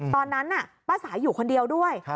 ตอนนั้นป้าสายอยู่คนเดียวด้วย